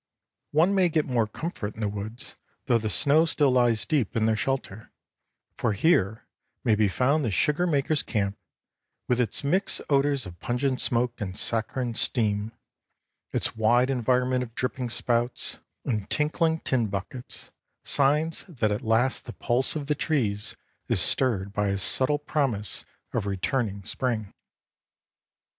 One may get more comfort in the woods, though the snow still lies deep in their shelter; for here may be found the sugar maker's camp, with its mixed odors of pungent smoke and saccharine steam, its wide environment of dripping spouts and tinkling tin buckets, signs that at last the pulse of the trees is stirred by a subtle promise of returning spring.